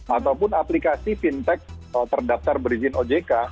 ataupun aplikasi fintech terdaftar berizin ojk